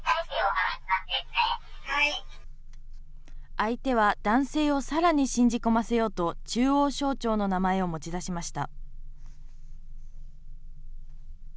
相手は男性をさらに信じ込ませようと中央省庁の名前を持ち出しました。